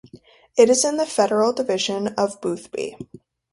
It is in the federal Division of Boothby.